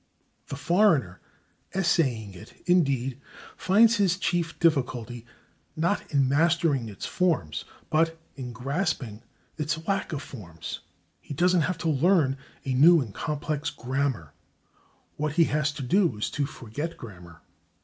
The foreigner essaying it, indeed, finds his chief difficulty, not in mastering its forms, but in grasping its lack of forms. He doesn't have to learn a new and complex grammar; what he has to do is to forget grammar.